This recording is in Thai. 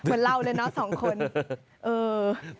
เหมือนเราเลยนะ๒คน